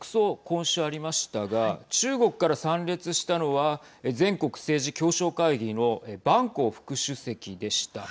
今週ありましたが中国から参列したのは全国政治協商会議の万鋼副主席でした。